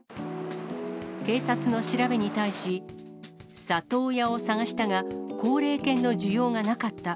警察の調べに対し、里親を探したが、高齢犬の需要がなかった。